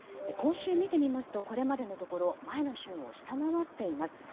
今週見てみますとこれまでのところ前の週を下回っています。